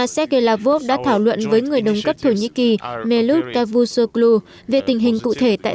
sergei lavrov đã thảo luận với người đồng cấp thổ nhĩ kỳ melut cavusoglu về tình hình cụ thể tại